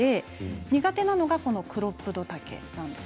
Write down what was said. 苦手なのがクロップド丈です。